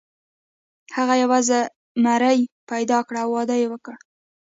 هغه یوه زمریه پیدا کړه او واده یې وکړ.